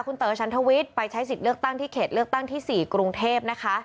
คุณเต๋อฉันทวิทย์ไปใช้สิทธิ์เลือกตั้งที่เขตเลือกตั้งที่๔กรุงเทพนะคะ